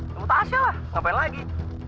temu tasya lah ngapain lagi